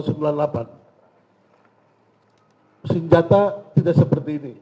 senjata tidak seperti ini